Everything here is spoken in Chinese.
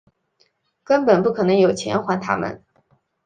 根本不可能有钱还他们